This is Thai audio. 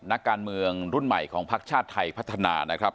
นักการเมืองรุ่นใหม่ของพักชาติไทยพัฒนานะครับ